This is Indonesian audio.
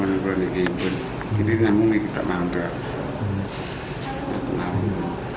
ini namun kita mandun